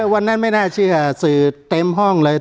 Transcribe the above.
วันนั้นไม่น่าเชื่อสื่อเต็มห้องเลย